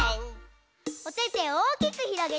おててをおおきくひろげてひこうき！